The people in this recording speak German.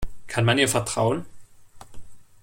Kann man ihr vertrauen?